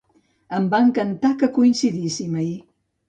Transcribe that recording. Em va encantar que coincidíssim ahir!